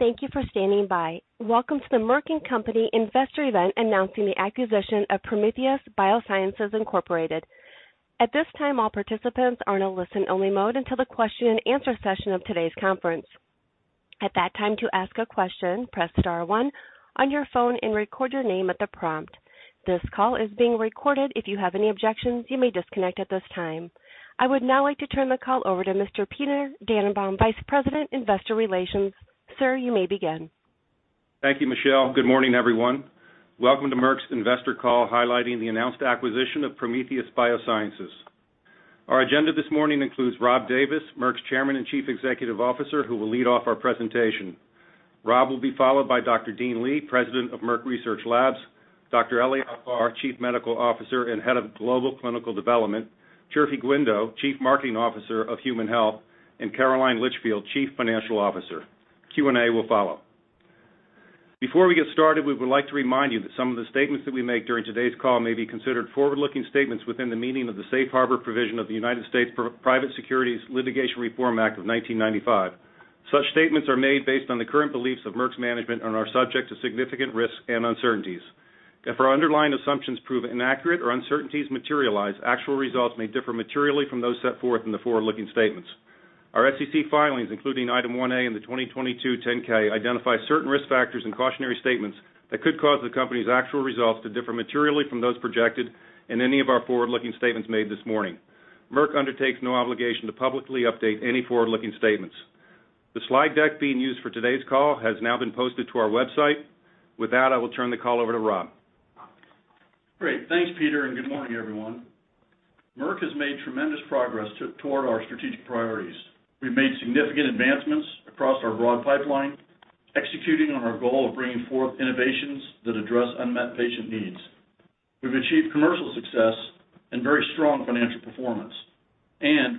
Thank you for standing by. Welcome to the Merck & Co. Investor event announcing the acquisition of Prometheus Biosciences, Inc. At this time, all participants are in a listen only mode until the question and answer session of today's conference. At that time, to ask a question, press star one on your phone and record your name at the prompt. This call is being recorded. If you have any objections, you may disconnect at this time. I would now like to turn the call over to Mr. Peter Dannenbaum, Vice President, Investor Relations. Sir, you may begin. Thank you, Michelle. Good morning, everyone. Welcome to Merck's Investor Call highlighting the announced acquisition of Prometheus Biosciences. Our agenda this morning includes Rob Davis, Merck's Chairman and Chief Executive Officer, who will lead off our presentation. Rob will be followed by Dr. Dean Li, President of Merck Research Laboratories, Dr. Eliav Barr, Chief Medical Officer and Head of Global Clinical Development, Chirfi Guindo, Chief Marketing Officer of Human Health, and Caroline Litchfield, Chief Financial Officer. Q&A will follow. Before we get started, we would like to remind you that some of the statements that we make during today's call may be considered forward-looking statements within the meaning of the Safe Harbor provision of the United States Private Securities Litigation Reform Act of nineteen ninety-five. Such statements are made based on the current beliefs of Merck's management and are subject to significant risks and uncertainties. If our underlying assumptions prove inaccurate or uncertainties materialize, actual results may differ materially from those set forth in the forward-looking statements. Our SEC filings, including Item 1A in the 2022 10-K, identify certain risk factors and cautionary statements that could cause the company's actual results to differ materially from those projected in any of our forward-looking statements made this morning. Merck undertakes no obligation to publicly update any forward-looking statements. The slide deck being used for today's call has now been posted to our website. With that, I will turn the call over to Rob. Great. Thanks, Peter. Good morning, everyone. Merck has made tremendous progress toward our strategic priorities. We've made significant advancements across our broad pipeline, executing on our goal of bringing forth innovations that address unmet patient needs. We've achieved commercial success and very strong financial performance.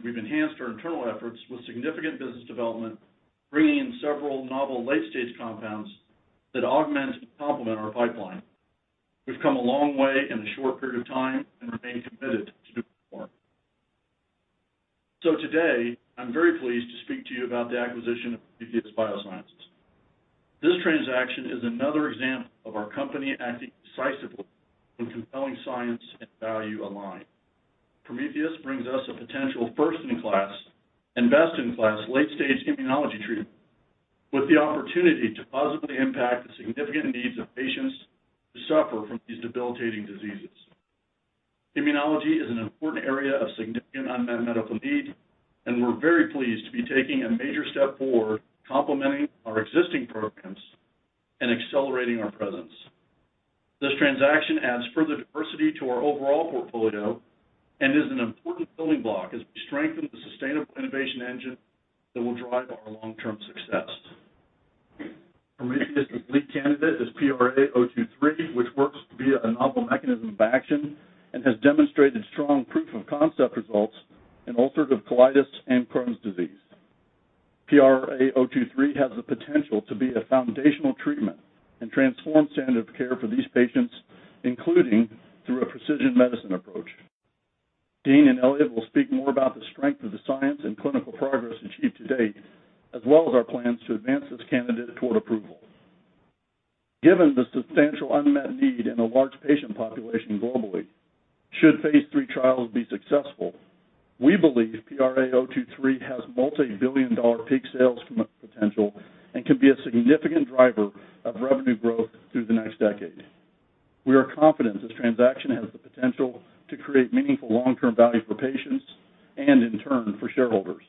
We've enhanced our internal efforts with significant business development, bringing in several novel late-stage compounds that augment and complement our pipeline. We've come a long way in a short period of time and remain committed to doing more. Today, I'm very pleased to speak to you about the acquisition of Prometheus Biosciences. This transaction is another example of our company acting decisively when compelling science and value align. Prometheus brings us a potential first-in-class and best-in-class late-stage immunology treatment with the opportunity to positively impact the significant needs of patients who suffer from these debilitating diseases. Immunology is an important area of significant unmet medical need. We're very pleased to be taking a major step forward complementing our existing programs and accelerating our presence. This transaction adds further diversity to our overall portfolio and is an important building block as we strengthen the sustainable innovation engine that will drive our long-term success. Prometheus' lead candidate is PRA023, which works via a novel mechanism of action and has demonstrated strong proof of concept results in ulcerative colitis and Crohn's disease. PRA023 has the potential to be a foundational treatment and transform standard of care for these patients, including through a precision medicine approach. Dean and Eliav will speak more about the strength of the science and clinical progress achieved to date, as well as our plans to advance this candidate toward approval. Given the substantial unmet need in a large patient population globally, should phase III trials be successful, we believe PRA023 has multi-billion dollar peak sales potential and can be a significant driver of revenue growth through the next decade. We are confident this transaction has the potential to create meaningful long-term value for patients and in turn for shareholders.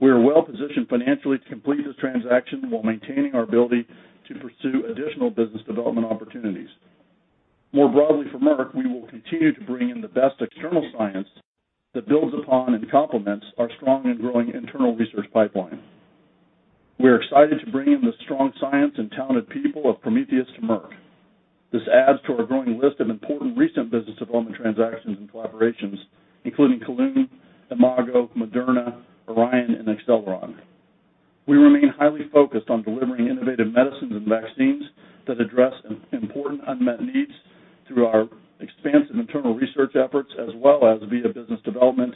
We are well-positioned financially to complete this transaction while maintaining our ability to pursue additional business development opportunities. For Merck, we will continue to bring in the best external science that builds upon and complements our strong and growing internal research pipeline. We are excited to bring in the strong science and talented people of Prometheus to Merck. This adds to our growing list of important recent business development transactions and collaborations, including Kelun, Imago, Moderna, Orion, and Acceleron. We remain highly focused on delivering innovative medicines and vaccines that address important unmet needs through our expansive internal research efforts as well as via business development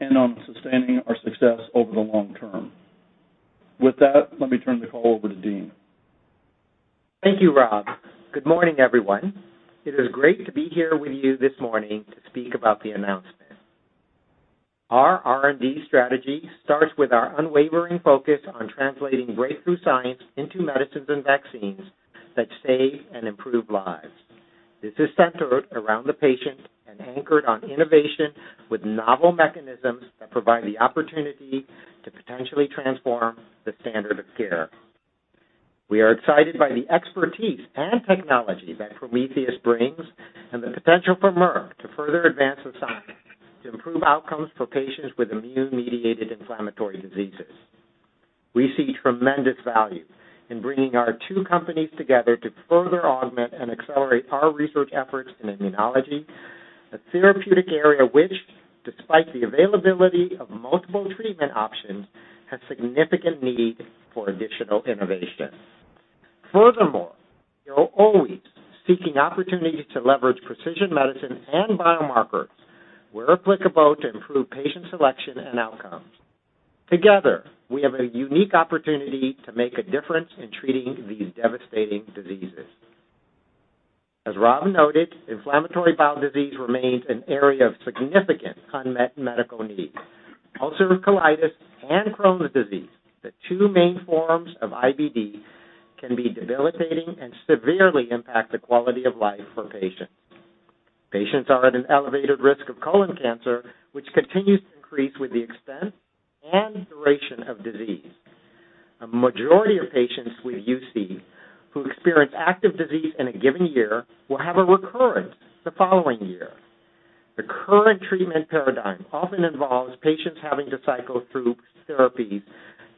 and on sustaining our success over the long term. With that, let me turn the call over to Dean. Thank you, Rob. Good morning, everyone. It is great to be here with you this morning to speak about the announcement. Our R&D strategy starts with our unwavering focus on translating breakthrough science into medicines and vaccines that save and improve lives. This is centered around the patient and anchored on innovation with novel mechanisms that provide the opportunity to potentially transform the standard of care. We are excited by the expertise and technology that Prometheus brings and the potential for Merck to further advance the science to improve outcomes for patients with immune-mediated inflammatory diseases. We see tremendous value in bringing our two companies together to further augment and accelerate our research efforts in immunology, a therapeutic area which, despite the availability of multiple treatment options, has significant need for additional innovation. Furthermore, we are always seeking opportunities to leverage precision medicine and biomarkers where applicable to improve patient selection and outcomes. Together, we have a unique opportunity to make a difference in treating these devastating diseases. As Rob noted, inflammatory bowel disease remains an area of significant unmet medical need. Ulcerative colitis and Crohn's disease, the two main forms of IBD, can be debilitating and severely impact the quality of life for patients. Patients are at an elevated risk of colon cancer, which continues to increase with the extent and duration of disease. A majority of patients with UC who experience active disease in a given year will have a recurrence the following year. The current treatment paradigm often involves patients having to cycle through therapies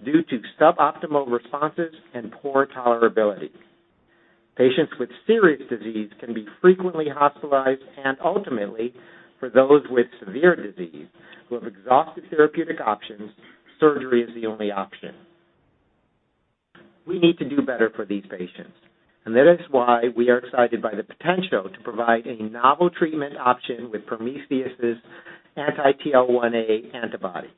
due to suboptimal responses and poor tolerability. Patients with serious disease can be frequently hospitalized and ultimately, for those with severe disease who have exhausted therapeutic options, surgery is the only option. We need to do better for these patients, and that is why we are excited by the potential to provide a novel treatment option with Prometheus' anti-TL1A antibody.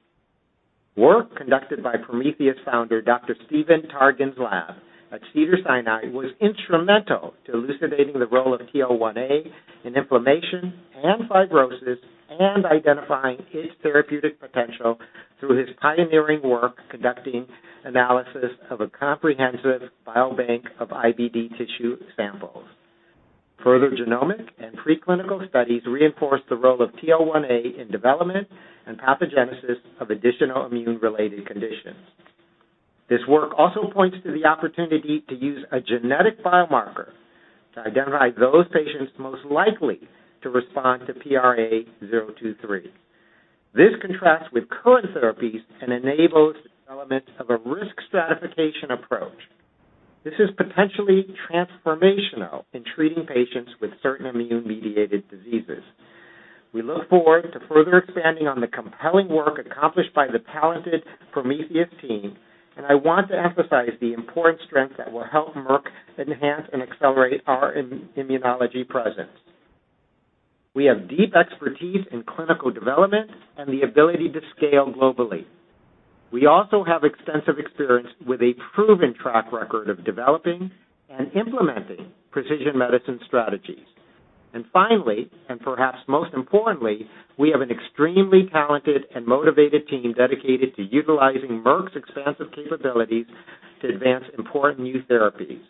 Work conducted by Prometheus founder Dr. Stephan Targan's lab at Cedars-Sinai was instrumental to elucidating the role of TL1A in inflammation and fibrosis and identifying its therapeutic potential through his pioneering work conducting analysis of a comprehensive biobank of IBD tissue samples. Further genomic and preclinical studies reinforce the role of TL1A in development and pathogenesis of additional immune-related conditions. This work also points to the opportunity to use a genetic biomarker to identify those patients most likely to respond to PRA023. This contrasts with current therapies and enables development of a risk stratification approach. This is potentially transformational in treating patients with certain immune-mediated diseases. We look forward to further expanding on the compelling work accomplished by the talented Prometheus team, and I want to emphasize the important strengths that will help Merck enhance and accelerate our immunology presence. We have deep expertise in clinical development and the ability to scale globally. We also have extensive experience with a proven track record of developing and implementing precision medicine strategies. Finally, and perhaps most importantly, we have an extremely talented and motivated team dedicated to utilizing Merck's expansive capabilities to advance important new therapies.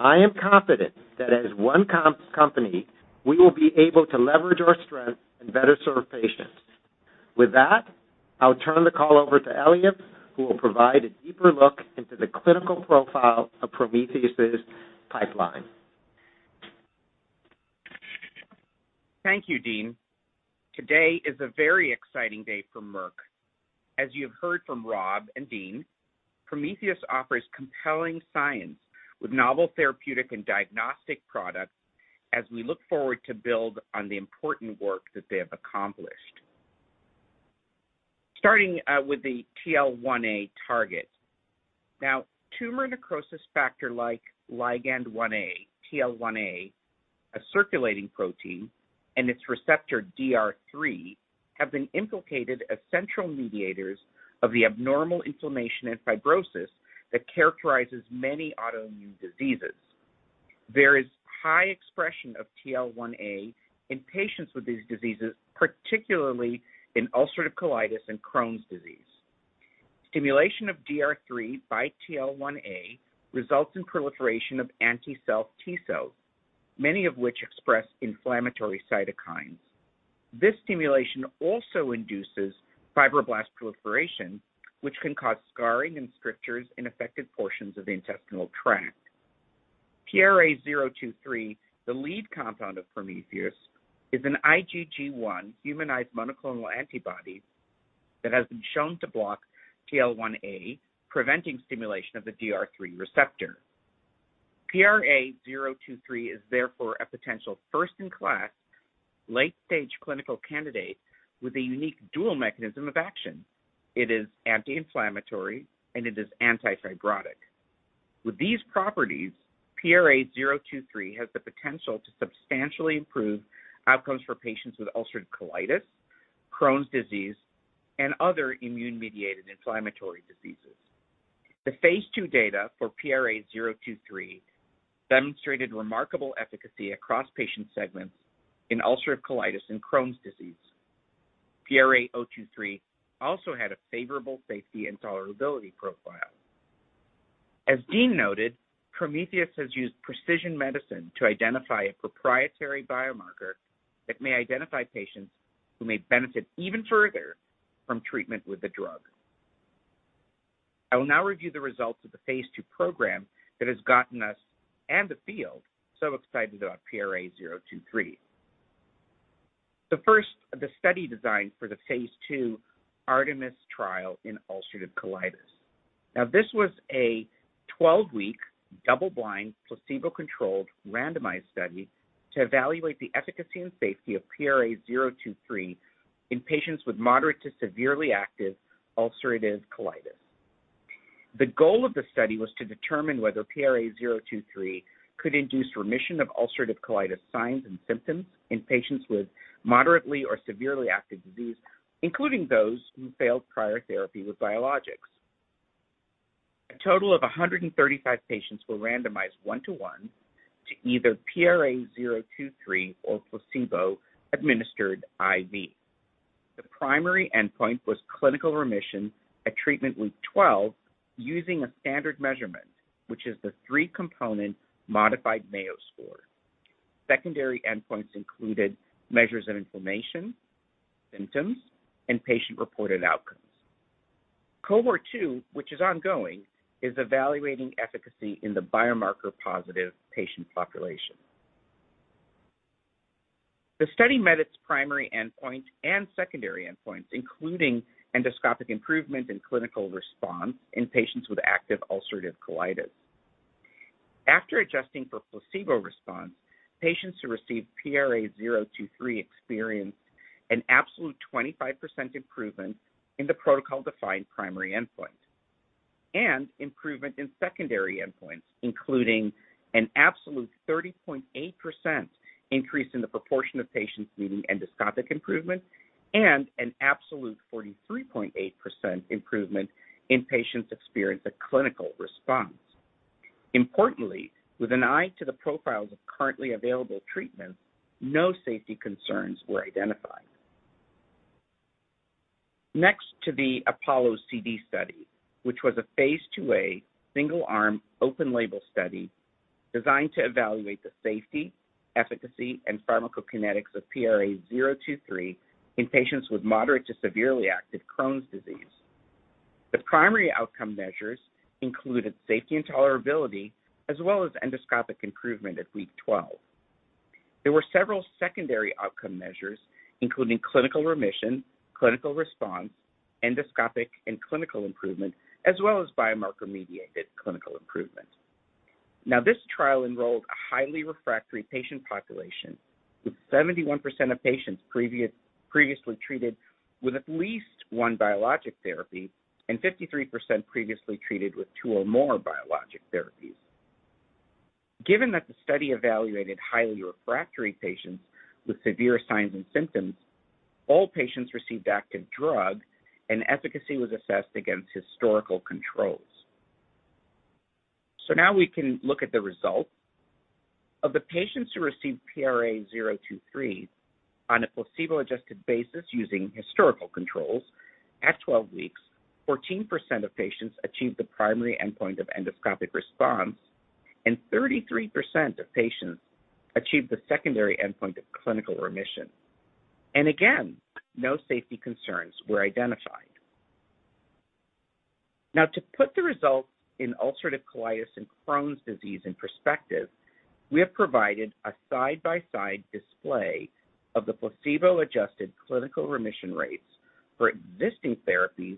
I am confident that as one company, we will be able to leverage our strengths and better serve patients. With that, I'll turn the call over to Eliav, who will provide a deeper look into the clinical profile of Prometheus' pipeline. Thank you, Dean. Today is a very exciting day for Merck. As you have heard from Rob and Dean, Prometheus offers compelling science with novel therapeutic and diagnostic products as we look forward to build on the important work that they have accomplished. Starting with the TL1A target. Tumor necrosis factor-like ligand 1A, TL1A, a circulating protein, and its receptor DR3, have been implicated as central mediators of the abnormal inflammation and fibrosis that characterizes many autoimmune diseases. There is high expression of TL1A in patients with these diseases, particularly in ulcerative colitis and Crohn's disease. Stimulation of DR3 by TL1A results in proliferation of anti-self T cells, many of which express inflammatory cytokines. This stimulation also induces fibroblast proliferation, which can cause scarring and strictures in affected portions of the intestinal tract. PRA023, the lead compound of Prometheus, is an IgG1 humanized monoclonal antibody that has been shown to block TL1A, preventing stimulation of the DR3 receptor. PRA023 is therefore a potential first-in-class, late-stage clinical candidate with a unique dual mechanism of action. It is anti-inflammatory, and it is anti-fibrotic. With these properties, PRA023 has the potential to substantially improve outcomes for patients with ulcerative colitis, Crohn's disease, and other immune-mediated inflammatory diseases. The phase II data for PRA023 demonstrated remarkable efficacy across patient segments in ulcerative colitis and Crohn's disease. PRA023 also had a favorable safety and tolerability profile. As Dean noted, Prometheus has used precision medicine to identify a proprietary biomarker that may identify patients who may benefit even further from treatment with the drug. I will now review the results of the phase II program that has gotten us, and the field, so excited about PRA023. The first of the study design for the phase II ARTEMIS trial in ulcerative colitis. Now, this was a 12-week, double-blind, placebo-controlled randomized study to evaluate the efficacy and safety of PRA023 In patients with moderate to severely active ulcerative colitis. The goal of the study was to determine whether PRA023 could induce remission of ulcerative colitis signs and symptoms in patients with moderately or severely active disease, including those who failed prior therapy with biologics. A total of 135 patients were randomized one to one to either PRA023 or placebo administered IV. The primary endpoint was clinical remission at treatment week 12 using a standard measurement, which is the three-component modified Mayo Score. Secondary endpoints included measures of inflammation, symptoms, and patient-reported outcomes. Cohort 2, which is ongoing, is evaluating efficacy in the biomarker positive patient population. The study met its primary endpoint and secondary endpoints, including endoscopic improvement and clinical response in patients with active ulcerative colitis. After adjusting for placebo response, patients who received PRA023 experienced an absolute 25% improvement in the protocol-defined primary endpoint and improvement in secondary endpoints, including an absolute 30.8% increase in the proportion of patients needing endoscopic improvement and an absolute 43.8% improvement in patients experience a clinical response. Importantly, with an eye to the profiles of currently available treatments, no safety concerns were identified. Next to the APOLLO-CD study, which was a phase II-A single-arm open label study designed to evaluate the safety, efficacy, and pharmacokinetics of PRA023 in patients with moderate to severely active Crohn's disease. The primary outcome measures included safety and tolerability as well as endoscopic improvement at week 12. There were several secondary outcome measures, including clinical remission, clinical response, endoscopic and clinical improvement, as well as biomarker-mediated clinical improvement. Now, this trial enrolled a highly refractory patient population, with 71% of patients previously treated with at least one biologic therapy and 53% previously treated with two or more biologic therapies. Given that the study evaluated highly refractory patients with severe signs and symptoms, all patients received active drug and efficacy was assessed against historical controls. Now we can look at the results. Of the patients who received PRA023 on a placebo-adjusted basis using historical controls, at 12 weeks, 14% of patients achieved the primary endpoint of endoscopic response, and 33% of patients achieved the secondary endpoint of clinical remission. Again, no safety concerns were identified. To put the results in ulcerative colitis and Crohn's disease in perspective, we have provided a side-by-side display of the placebo-adjusted clinical remission rates for existing therapies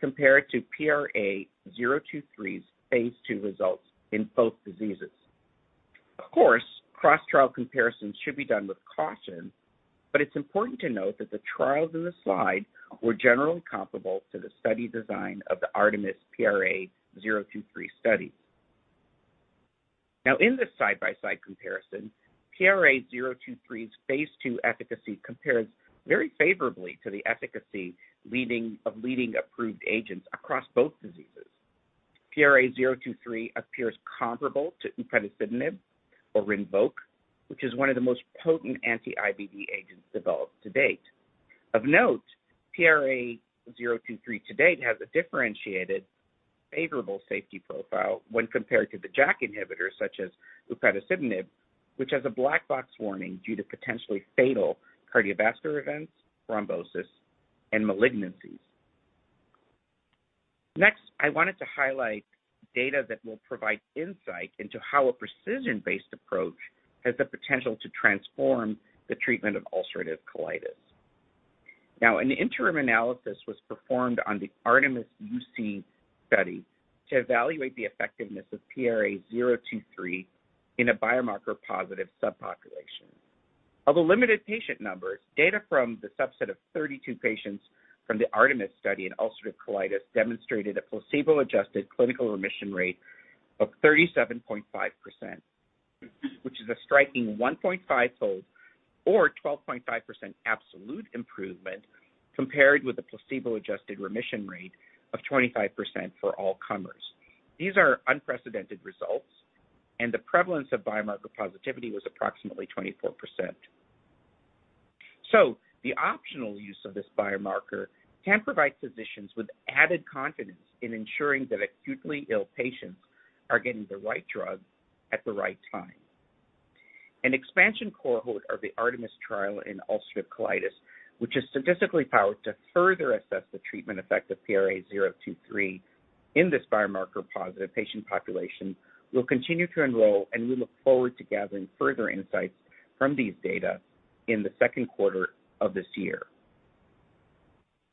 compared to PRA023's phase II results in both diseases. Of course, cross-trial comparisons should be done with caution, it's important to note that the trials in the slide were generally comparable to the study design of the Artemis PRA023 study. In this side-by-side comparison, PRA023's phase II efficacy compares very favorably to the efficacy of leading approved agents across both diseases. PRA023 appears comparable to upadacitinib or RINVOQ, which is one of the most potent anti-IBD agents developed to date. Of note, PRA023 to date has a differentiated favorable safety profile when compared to the JAK inhibitor such as upadacitinib, which has a black box warning due to potentially fatal cardiovascular events, thrombosis, and malignancies. Next, I wanted to highlight data that will provide insight into how a precision-based approach has the potential to transform the treatment of ulcerative colitis. Now, an interim analysis was performed on the ARTEMIS-UC study to evaluate the effectiveness of PRA023 in a biomarker positive subpopulation. Of the limited patient numbers, data from the subset of 32 patients from the ARTEMIS study in ulcerative colitis demonstrated a placebo-adjusted clinical remission rate of 37.5%, which is a striking 1.5-fold or 12.5% absolute improvement compared with the placebo-adjusted remission rate of 25% for all comers. These are unprecedented results, and the prevalence of biomarker positivity was approximately 24%. The optional use of this biomarker can provide physicians with added confidence in ensuring that acutely ill patients are getting the right drug at the right time. An expansion cohort of the ARTEMIS-UC trial in ulcerative colitis, which is statistically powered to further assess the treatment effect of PRA023 in this biomarker-positive patient population, will continue to enroll. We look forward to gathering further insights from these data in the second quarter of this year.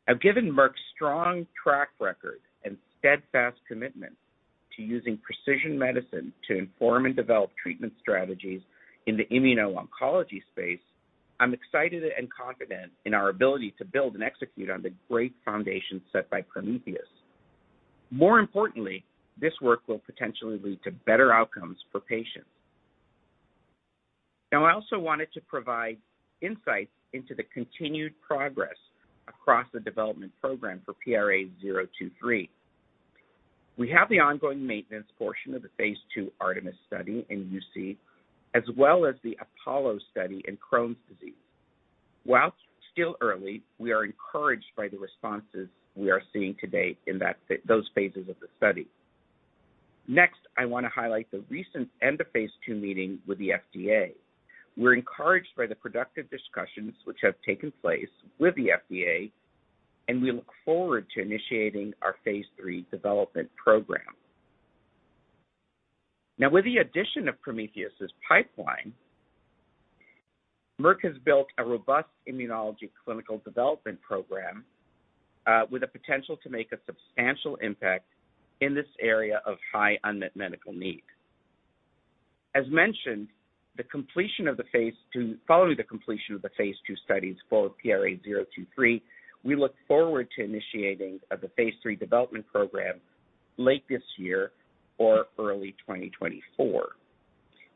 I've given Merck's strong track record and steadfast commitment to using precision medicine to inform and develop treatment strategies in the immuno-oncology space. I'm excited and confident in our ability to build and execute on the great foundation set by Prometheus. More importantly, this work will potentially lead to better outcomes for patients. Now, I also wanted to provide insights into the continued progress across the development program for PRA023. We have the ongoing maintenance portion of the phase II ARTEMIS-UC study in UC, as well as the APOLLO-CD study in Crohn's disease. While it's still early, we are encouraged by the responses we are seeing to date in those phases of the study. Next, I wanna highlight the recent end of phase II meeting with the FDA. We're encouraged by the productive discussions which have taken place with the FDA, and we look forward to initiating our phase III development program. Now, with the addition of Prometheus' pipeline, Merck has built a robust immunology clinical development program with a potential to make a substantial impact in this area of high unmet medical need. As mentioned, following the completion of the phase II studies for PRA023, we look forward to initiating of the phase III development program late this year or early 2024.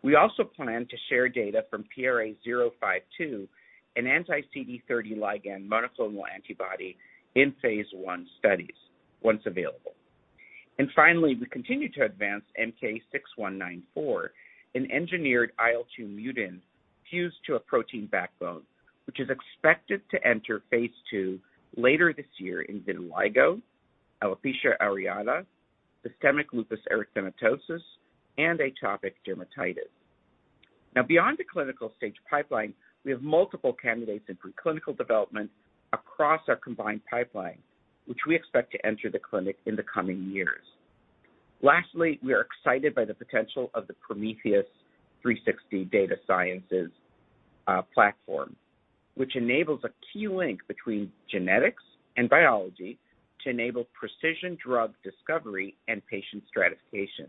We also plan to share data from PRA052, an anti-CD30L monoclonal antibody in phase I studies, once available. Finally, we continue to advance MK-6194, an engineered IL-2 mutein fused to a protein backbone, which is expected to enter phase II later this year in vitiligo, alopecia areata, systemic lupus erythematosus, and atopic dermatitis. Beyond the clinical stage pipeline, we have multiple candidates in preclinical development across our combined pipeline, which we expect to enter the clinic in the coming years. We are excited by the potential of the Prometheus360 Data Sciences Platform, which enables a key link between genetics and biology to enable precision drug discovery and patient stratification.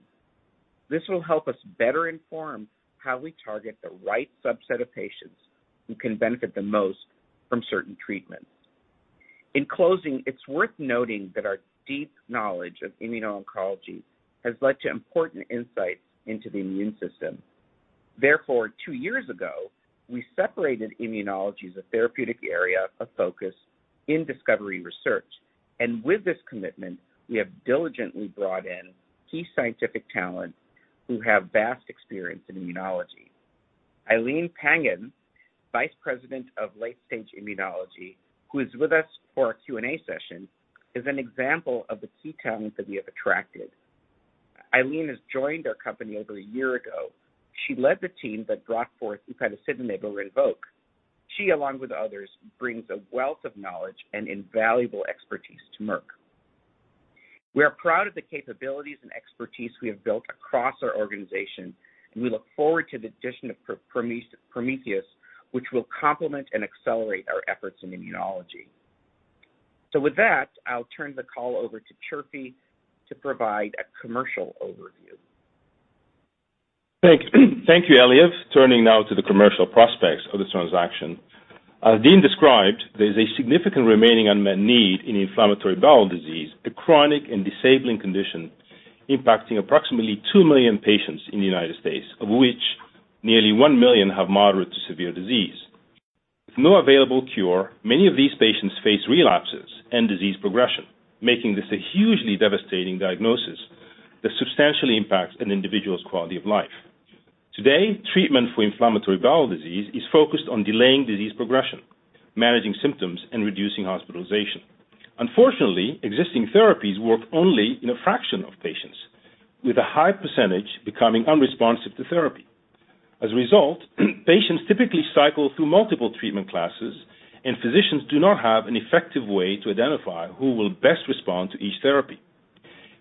This will help us better inform how we target the right subset of patients who can benefit the most from certain treatments. In closing, it's worth noting that our deep knowledge of immuno-oncology has led to important insights into the immune system. Therefore, two years ago, we separated immunology as a therapeutic area of focus in discovery research. With this commitment, we have diligently brought in key scientific talent who have vast experience in immunology. Aileen Pangan, Vice President, Late-Stage Immunology, who is with us for our Q&A session, is an example of the key talent that we have attracted. Aileen has joined our company over a year ago. She led the team that brought forth upadacitinib or RINVOQ. She, along with others, brings a wealth of knowledge and invaluable expertise to Merck. We are proud of the capabilities and expertise we have built across our organization, and we look forward to the addition of Prometheus, which will complement and accelerate our efforts in immunology. With that, I'll turn the call over to Chirfi to provide a commercial overview. Thank you, Eliav. Turning now to the commercial prospects of this transaction. As Dean described, there's a significant remaining unmet need in inflammatory bowel disease, a chronic and disabling condition impacting approximately 2 million patients in the United States, of which nearly 1 million have moderate to severe disease. With no available cure, many of these patients face relapses and disease progression, making this a hugely devastating diagnosis that substantially impacts an individual's quality of life. Today, treatment for inflammatory bowel disease is focused on delaying disease progression, managing symptoms, and reducing hospitalization. Unfortunately, existing therapies work only in a fraction of patients, with a high % becoming unresponsive to therapy. As a result, patients typically cycle through multiple treatment classes, and physicians do not have an effective way to identify who will best respond to each therapy.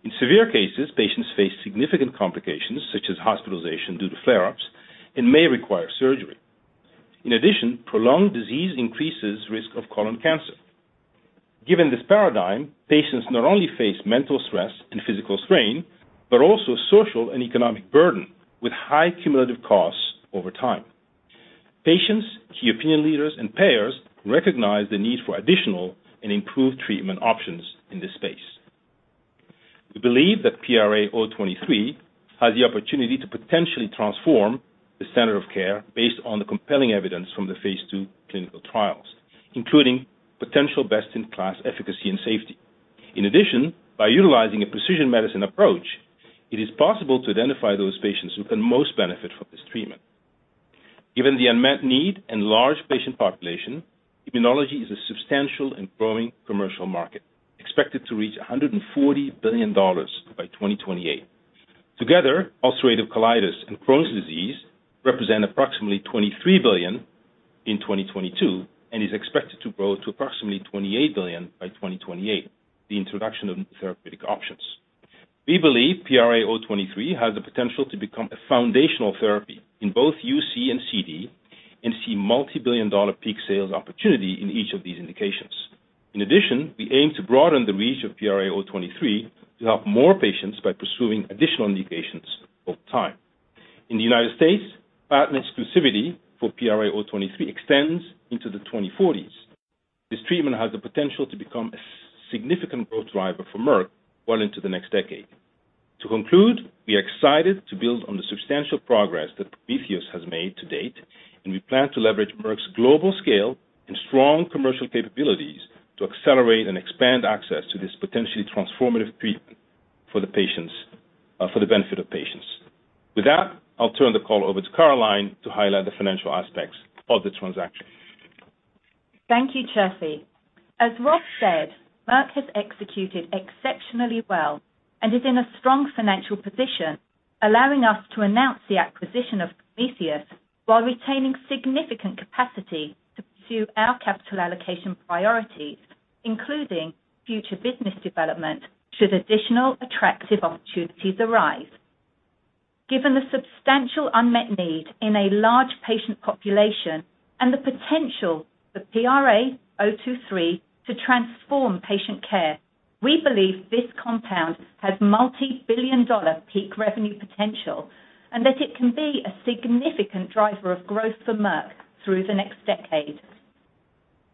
In severe cases, patients face significant complications, such as hospitalization due to flare-ups, and may require surgery. Prolonged disease increases risk of colon cancer. Given this paradigm, patients not only face mental stress and physical strain, but also social and economic burden with high cumulative costs over time. Patients, key opinion leaders, and payers recognize the need for additional and improved treatment options in this space. We believe that PRA023 has the opportunity to potentially transform the standard of care based on the compelling evidence from the phase II clinical trials, including potential best-in-class efficacy and safety. By utilizing a precision medicine approach, it is possible to identify those patients who can most benefit from this treatment. Given the unmet need and large patient population, immunology is a substantial and growing commercial market, expected to reach $140 billion by 2028. Together, ulcerative colitis and Crohn's disease represent approximately $23 billion in 2022, and is expected to grow to approximately $28 billion by 2028 with the introduction of new therapeutic options. We believe PRA023 has the potential to become a foundational therapy in both UC and CD and see multibillion-dollar peak sales opportunity in each of these indications. In addition, we aim to broaden the reach of PRA023 to help more patients by pursuing additional indications over time. In the United States, patent exclusivity for PRA023 extends into the 2040s. This treatment has the potential to become a significant growth driver for Merck well into the next decade. We are excited to build on the substantial progress that Prometheus has made to date, and we plan to leverage Merck's global scale and strong commercial capabilities to accelerate and expand access to this potentially transformative treatment for the benefit of patients. With that, I'll turn the call over to Caroline to highlight the financial aspects of the transaction. Thank you, Chirfi. As Rob said, Merck has executed exceptionally well and is in a strong financial position, allowing us to announce the acquisition of Prometheus while retaining significant capacity to pursue our capital allocation priorities, including future business development should additional attractive opportunities arise. Given the substantial unmet need in a large patient population and the potential for PRA023 to transform patient care, we believe this compound has multibillion-dollar peak revenue potential and that it can be a significant driver of growth for Merck through the next decade.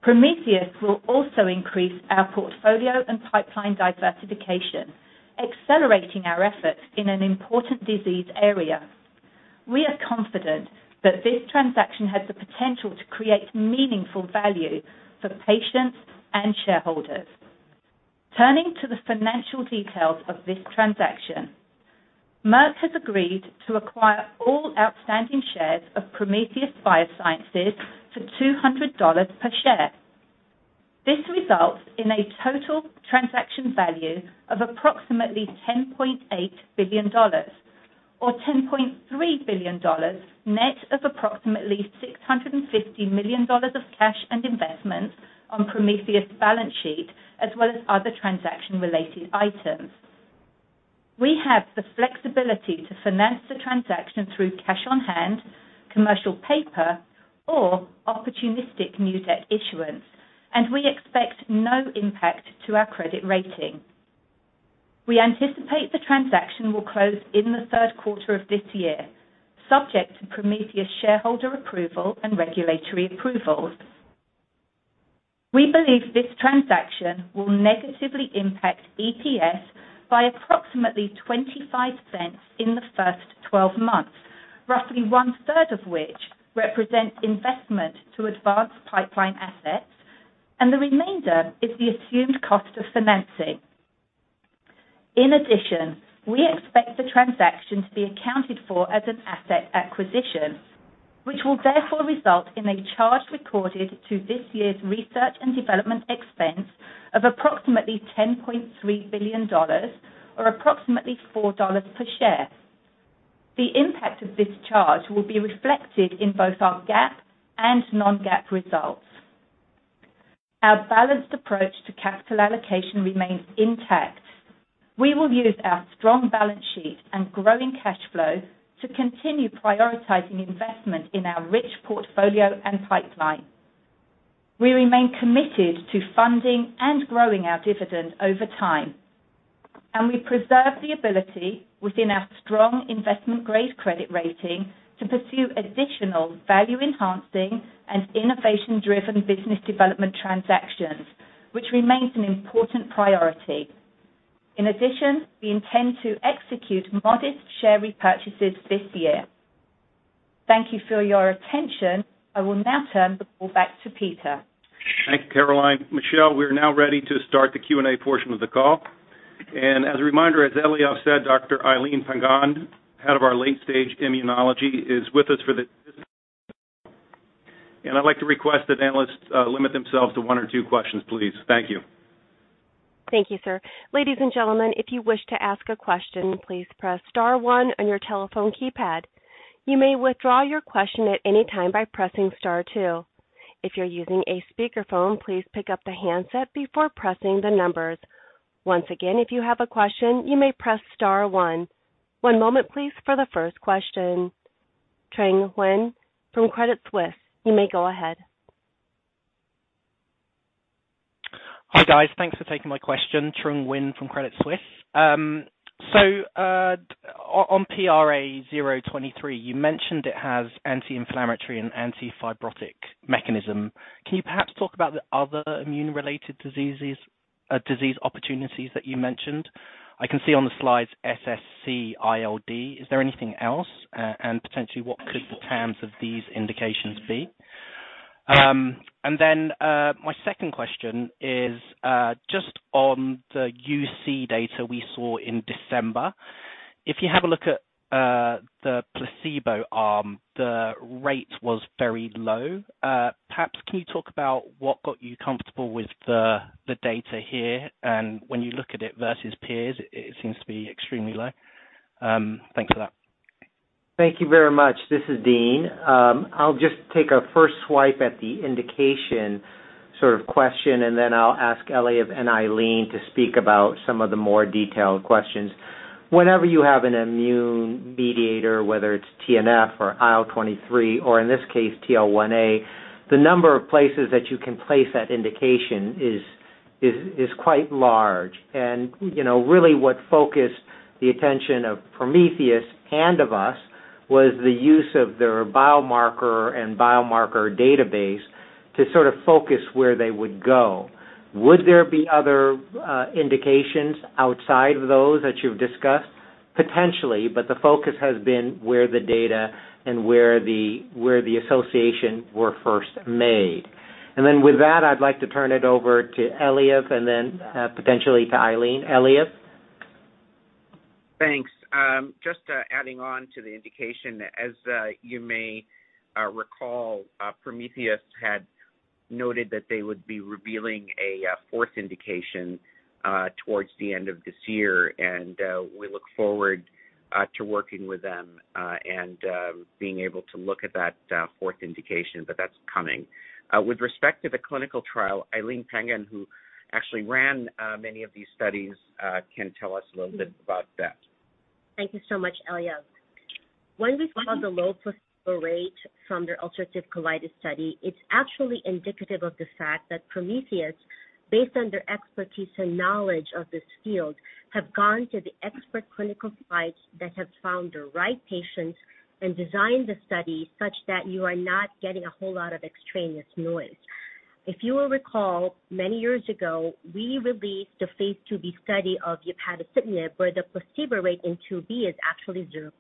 Prometheus will also increase our portfolio and pipeline diversification, accelerating our efforts in an important disease area. We are confident that this transaction has the potential to create meaningful value for patients and shareholders. Turning to the financial details of this transaction, Merck has agreed to acquire all outstanding shares of Prometheus Biosciences for $200 per share. This results in a total transaction value of approximately $10.8 billion, or $10.3 billion net of approximately $650 million of cash and investments on Prometheus balance sheet as well as other transaction-related items. We have the flexibility to finance the transaction through cash on hand, commercial paper, or opportunistic new debt issuance, and we expect no impact to our credit rating. We anticipate the transaction will close in the third quarter of this year, subject to Prometheus shareholder approval and regulatory approvals. We believe this transaction will negatively impact EPS by approximately $0.25 in the first 12 months, roughly one-third of which represents investment to advance pipeline assets, and the remainder is the assumed cost of financing. In addition, we expect the transaction to be accounted for as an asset acquisition, which will therefore result in a charge recorded to this year's research and development expense of approximately $10.3 billion or approximately $4 per share. The impact of this charge will be reflected in both our GAAP and non-GAAP results. Our balanced approach to capital allocation remains intact. We will use our strong balance sheet and growing cash flow to continue prioritizing investment in our rich portfolio and pipeline. We remain committed to funding and growing our dividend over time, and we preserve the ability within our strong investment-grade credit rating to pursue additional value-enhancing and innovation-driven business development transactions, which remains an important priority. In addition, we intend to execute modest share repurchases this year. Thank you for your attention. I will now turn the call back to Peter. Thank you, Caroline. Michelle, we are now ready to start the Q&A portion of the call. As a reminder, as Eliav said, Dr. Aileen Pangan, head of our Late-Stage Immunology, is with us for this call. I'd like to request that analysts limit themselves to one or two questions, please. Thank you. Thank you, sir. Ladies and gentlemen, if you wish to ask a question, please press star one on your telephone keypad. You may withdraw your question at any time by pressing star two. If you're using a speakerphone, please pick up the handset before pressing the numbers. Once again, if you have a question, you may press star one. One moment please for the first question. Trung Huynh from Credit Suisse, you may go ahead. Hi, guys. Thanks for taking my question. Trung Huynh from Credit Suisse. On PRA023, you mentioned it has anti-inflammatory and anti-fibrotic mechanism. Can you perhaps talk about the other immune-related disease opportunities that you mentioned? I can see on the slides SSc-ILD. Is there anything else? Potentially what could the terms of these indications be? Then my second question is just on the UC data we saw in December. If you have a look at the placebo arm, the rate was very low. Perhaps can you talk about what got you comfortable with the data here? When you look at it versus peers, it seems to be extremely low. Thanks for that. Thank you very much. This is Dean. I'll just take a first swipe at the indication sort of question, and then I'll ask Eliav and Aileen to speak about some of the more detailed questions. Whenever you have an immune mediator, whether it's TNF or IL-23 or in this case TL1A, the number of places that you can place that indication is quite large. You know, really what focused the attention of Prometheus and of us was the use of their biomarker and biomarker database to sort of focus where they would go. Would there be other indications outside of those that you've discussed? Potentially, but the focus has been where the data and where the association were first made. With that, I'd like to turn it over to Eliav and then potentially to Aileen. Eliav? Thanks. Just adding on to the indication. As you may recall, Prometheus had noted that they would be revealing a fourth indication towards the end of this year, and we look forward to working with them and being able to look at that fourth indication. That's coming. With respect to the clinical trial, Aileen Pangan, who actually ran many of these studies, can tell us a little bit about that. Thank you so much, Eliav. When we saw the low placebo rate from their ulcerative colitis study, it's actually indicative of the fact that Prometheus, based on their expertise and knowledge of this field, have gone to the expert clinical sites that have found the right patients and designed the study such that you are not getting a whole lot of extraneous noise. If you will recall, many years ago, we released a phase II-B study of upadacitinib, where the placebo rate in II-B is actually 0%.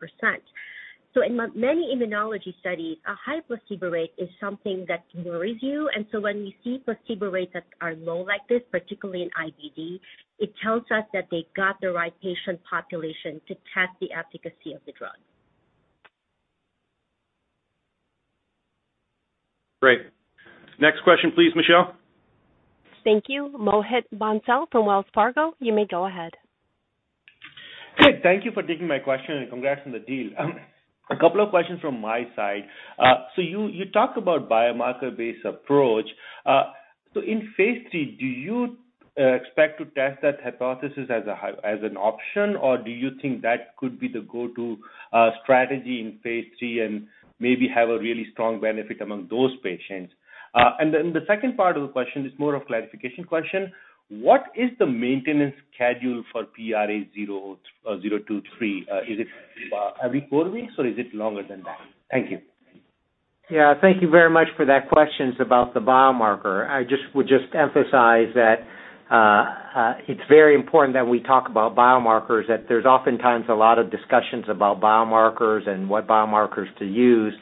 In many immunology studies, a high placebo rate is something that worries you. When we see placebo rates that are low like this, particularly in IBD, it tells us that they got the right patient population to test the efficacy of the drug. Great. Next question, please, Michelle. Thank you. Mohit Bansal from Wells Fargo, you may go ahead. Thank you for taking my question, and congrats on the deal. A couple of questions from my side. You talk about biomarker-based approach. In phase III, do you expect to test that hypothesis as an option, or do you think that could be the go-to strategy in phase III and maybe have a really strong benefit among those patients? The second part of the question is more of clarification question. What is the maintenance schedule for PRA023? Is it every four weeks, or is it longer than that? Thank you. Thank you very much for that questions about the biomarker. I would just emphasize that it's very important that we talk about biomarkers, that there's oftentimes a lot of discussions about biomarkers and what biomarkers to use.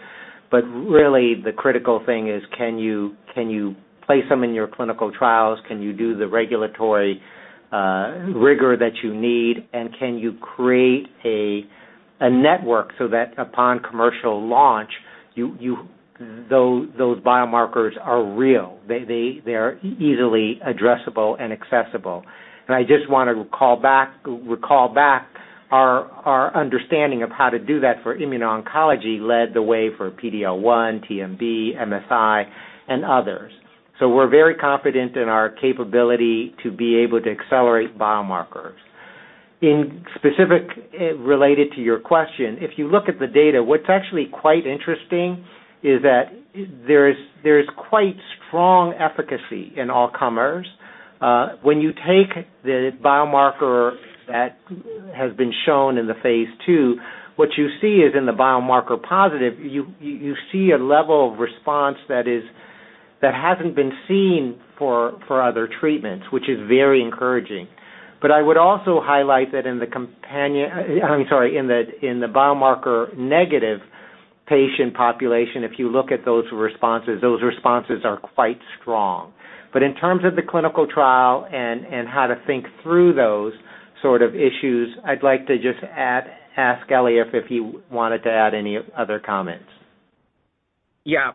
Really the critical thing is can you place them in your clinical trials? Can you do the regulatory rigor that you need? Can you create a network so that upon commercial launch, those biomarkers are real, they're easily addressable and accessible. I just want to recall back our understanding of how to do that for immuno-oncology led the way for PD-L1, TMB, MSI and others. We're very confident in our capability to be able to accelerate biomarkers. In specific, related to your question, if you look at the data, what's actually quite interesting is that there is quite strong efficacy in all comers. When you take the biomarker that has been shown in the phase II, what you see is in the biomarker positive, you see a level of response that hasn't been seen for other treatments, which is very encouraging. I would also highlight that I mean, sorry, in the biomarker negative patient population, if you look at those responses, those responses are quite strong. In terms of the clinical trial and how to think through those sort of issues, I'd like to just ask Eliav if he wanted to add any other comments. Yeah.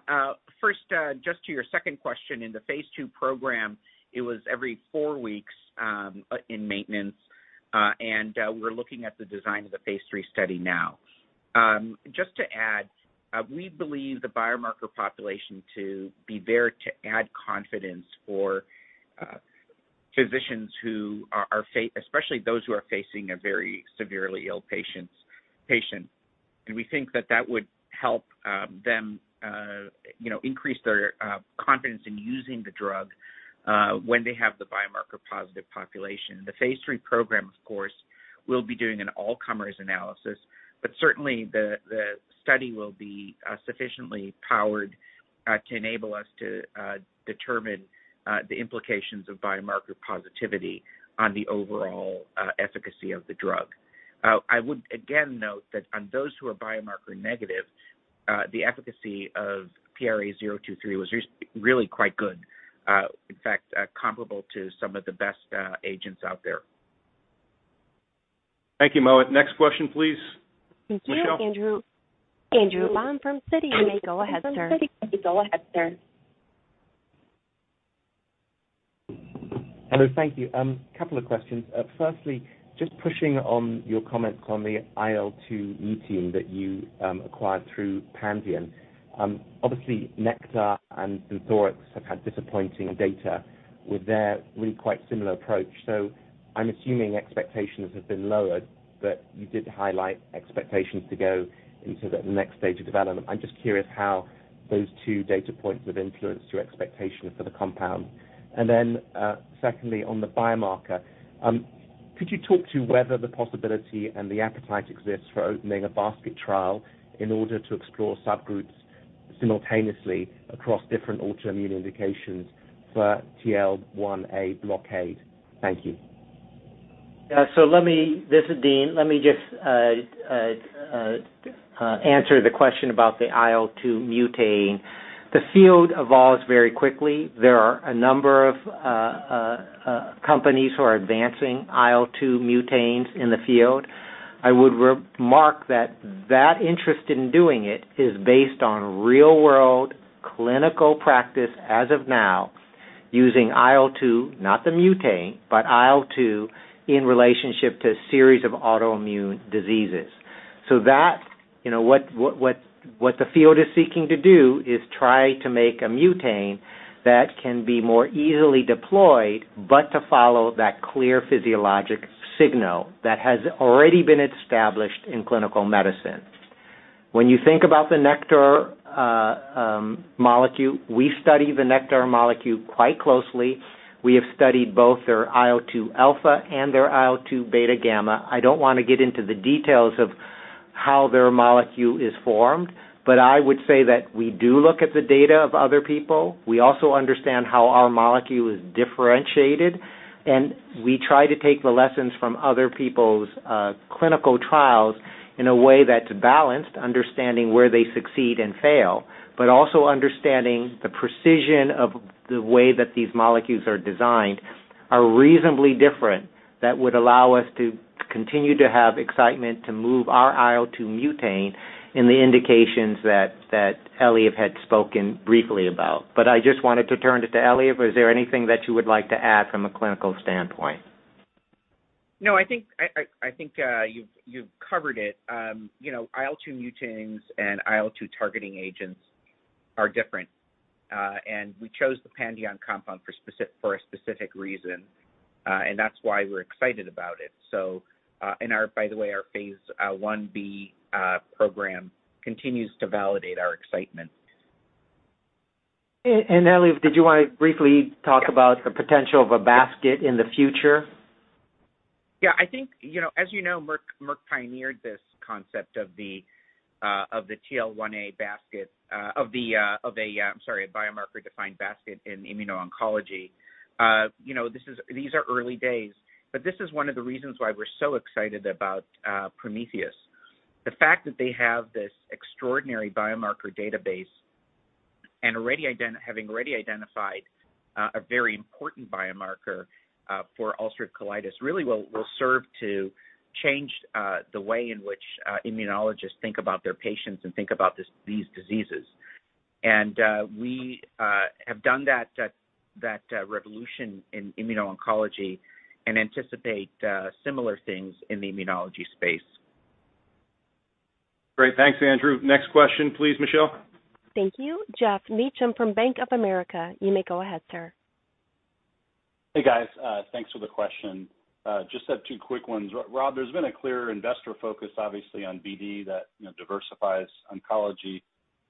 First, just to your second question, in the phase II program, it was every four weeks in maintenance, we're looking at the design of the phase III study now. Just to add, we believe the biomarker population to be there to add confidence for physicians who are especially those who are facing a very severely ill patient. We think that that would help them, you know, increase their confidence in using the drug when they have the biomarker positive population. The phase III program of course, will be doing an all comers analysis, but certainly the study will be sufficiently powered to enable us to determine the implications of biomarker positivity on the overall efficacy of the drug. I would again note that on those who are biomarker negative, the efficacy of PRA023 was really quite good, in fact, comparable to some of the best agents out there. Thank you, Mohit. Next question, please. Michelle. Thank you. Andrew. Andrew Baum from Citi. You may go ahead, sir. Hello, thank you. Couple of questions. Firstly, just pushing on your comments on the IL-2 mutein that you acquired through Pandion. Obviously, Nektar and Synthorx have had disappointing data with their really quite similar approach. I'm assuming expectations have been lowered, but you did highlight expectations to go into the next stage of development. I'm just curious how those two data points would influence your expectations for the compound. Secondly, on the biomarker, could you talk to whether the possibility and the appetite exists for opening a basket trial in order to explore subgroups simultaneously across different autoimmune indications for TL1A blockade? Thank you. Yeah. This is Dean, let me just answer the question about the IL-2 mutein. The field evolves very quickly. There are a number of companies who are advancing IL-2 muteins in the field. I would remark that that interest in doing it is based on real-world clinical practice as of now using IL-2, not the mutein, but IL-2 in relationship to a series of autoimmune diseases. You know, the field is seeking to do is try to make a mutein that can be more easily deployed, but to follow that clear physiologic signal that has already been established in clinical medicine. When you think about the Nektar molecule, we study the Nektar molecule quite closely. We have studied both their IL-2 alpha and their IL-2 beta gamma. I don't wanna get into the details of how their molecule is formed, but I would say that we do look at the data of other people. We also understand how our molecule is differentiated, and we try to take the lessons from other people's clinical trials in a way that's balanced, understanding where they succeed and fail, but also understanding the precision of the way that these molecules are designed are reasonably different that would allow us to continue to have excitement to move our IL-2 mutein in the indications that Eliav had spoken briefly about. I just wanted to turn it to Eliav. Is there anything that you would like to add from a clinical standpoint? No, I think you've covered it. you know, IL-2 muteins and IL-2 targeting agents are different, and we chose the Pandion compound for a specific reason, and that's why we're excited about it. by the way, our phase I-B program continues to validate our excitement. Eliav, did you wanna briefly talk about the potential of a basket in the future? Yeah. I think, you know, as you know, Merck pioneered this concept of the TL1A basket, of a biomarker-defined basket in immuno-oncology. You know, these are early days, but this is one of the reasons why we're so excited about Prometheus. The fact that they have this extraordinary biomarker database and having already identified a very important biomarker for ulcerative colitis really will serve to change the way in which immunologists think about their patients and think about this, these diseases. We have done that revolution in immuno-oncology and anticipate similar things in the immunology space. Great. Thanks, Andrew. Next question, please, Michelle. Thank you. Geoff Meacham from Bank of America. You may go ahead, sir. Hey, guys. thanks for the question. just have two quick ones. Rob, there's been a clear investor focus, obviously, on BD that, you know, diversifies oncology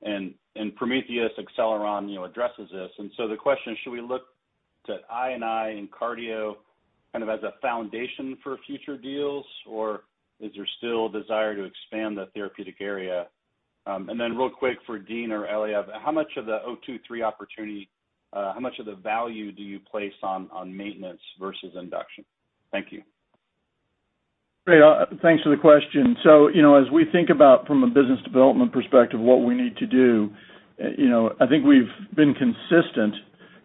and Prometheus, Acceleron, you know, addresses this. The question is, should we look to I and I and cardio kind of as a foundation for future deals, or is there still a desire to expand the therapeutic area? Real quick for Dean or Eliav, how much of the PRA023 opportunity, how much of the value do you place on maintenance versus induction? Thank you. Great. Thanks for the question. You know, as we think about from a business development perspective, what we need to do, you know, I think we've been consistent